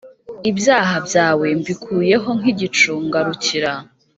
ibyaha byawe mbikuyeho nk igicu ngarukira